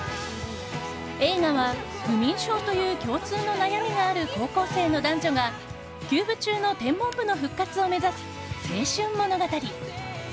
映画は、不眠症という共通の悩みがある高校生の男女が休部中の天文部の復活を目指す青春物語。